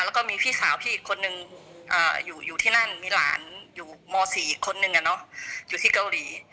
แล้วก็มีพี่สาวพี่อีกคนนึงอยู่ที่นั่นมีหลานอยู่ม๔อีกคนนึงอยู่ที่เกาหลี